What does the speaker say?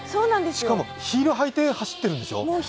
しかもヒール履いて走ってるんでしょう？